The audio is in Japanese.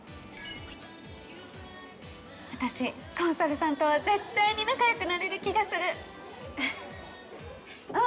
私コンサルさんとは絶対に仲よくなれる気がするははっあっ